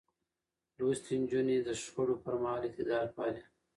لوستې نجونې د شخړو پر مهال اعتدال پالي.